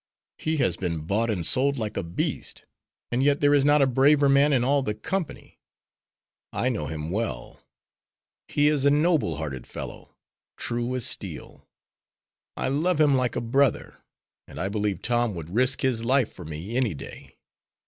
He has been bought and sold like a beast, and yet there is not a braver man in all the company. I know him well. He is a noble hearted fellow. True as steel. I love him like a brother. And I believe Tom would risk his life for me any day.